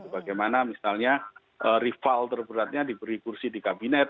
bagaimana misalnya rival terberatnya diberi kursi di kabinet